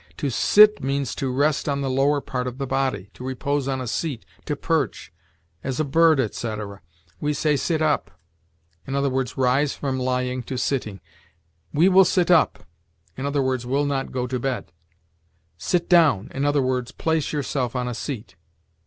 To sit means to rest on the lower part of the body, to repose on a seat, to perch, as a bird, etc. We say, "Sit up," i. e., rise from lying to sitting; "We will sit up," i. e., will not go to bed; "Sit down," i. e., place yourself on a seat.